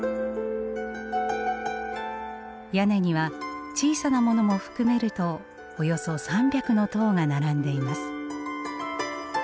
屋根には小さなものも含めるとおよそ３００の塔が並んでいます。